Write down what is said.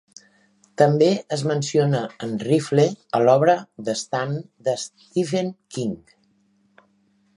També es menciona en Rifle a l'obra "The Stand" de Stephen King.